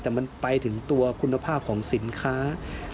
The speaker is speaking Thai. แต่มันไปถึงตัวคุณภาพของสินค้า